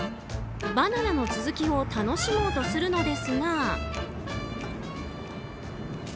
バナナの続きを楽しもうとするのですが。